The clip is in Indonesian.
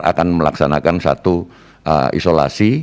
akan melaksanakan satu isolasi